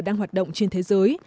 đang hoạt động trên thế giới